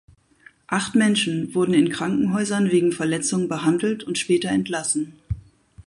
Acht Menschen wurden in Krankenhäusern wegen Verletzungen behandelt und später entlassen.